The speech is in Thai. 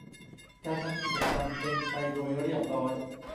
การทำกิจกรรมเป็นไปโดยเรียบร้อย